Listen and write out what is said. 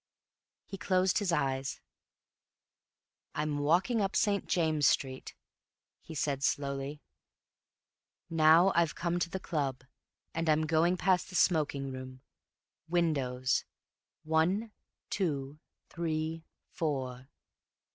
He closed his eyes. "I'm walking up St. James' Street," he said slowly. "Now I've come to the club and I'm going past the smoking room—windows—one—two—three—four.